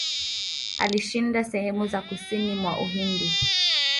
Alishinda sehemu za kusini mwa Uhindi.